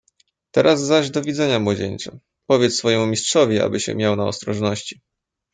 "Teraz zaś do widzenia, młodzieńcze; powiedz swojemu mistrzowi, aby się miał na ostrożności."